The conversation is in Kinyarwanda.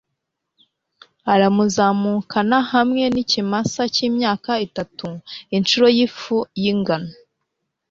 aramuzamukana hamwe n'ikimasa cy'imyaka itatu, incuro y'ifu y'ingano